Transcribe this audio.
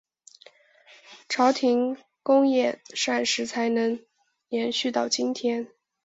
朝鲜宫廷膳食才能延续到今天。